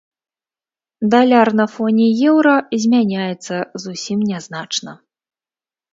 Даляр на фоне еўра змяняецца зусім нязначна.